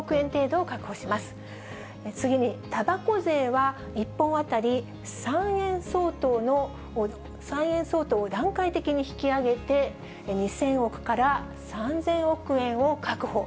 次に、たばこ税は１本当たり３円相当を段階的に引き上げて、２０００億から３０００億円を確保。